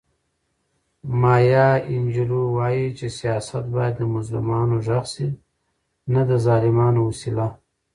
مایا انجیلو وایي چې سیاست باید د مظلومانو غږ شي نه د ظالمانو وسیله.